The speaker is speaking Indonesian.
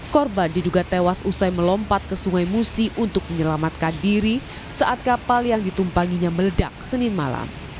korban diduga tewas usai melompat ke sungai musi untuk menyelamatkan diri saat kapal yang ditumpanginya meledak senin malam